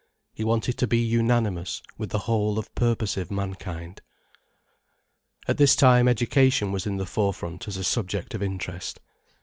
He wanted to be unanimous with the whole of purposive mankind. At this time Education was in the forefront as a subject of interest.